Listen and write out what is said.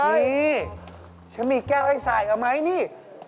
นี่ฉันมีแก้วไอ้สายเอาไหมนี่